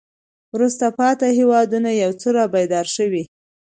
وروسته پاتې هېوادونه یو څه را بیدار شوي.